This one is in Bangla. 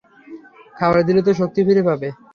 খাবার দিলে তো শক্তি ফিরে পাবে।